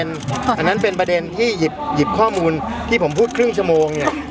อันนั้นเป็นประเด็นที่หยิบข้อมูลที่ผมพูดครึ่งชั่วโมงเนี่ย